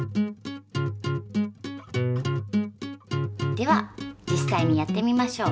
では実さいにやってみましょう。